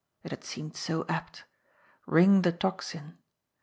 It had seemed so apt! Ring the Tocsin!